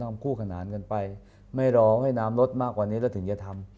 ไม่รอให้น้ำลดมากกว่านี้แล้วถึงจะทำ